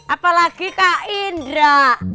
apalagi kak indra